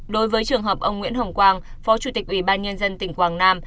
đối với trường hợp ông nguyễn hồng quang phó chủ tịch ủy ban nhân dân tỉnh quảng nam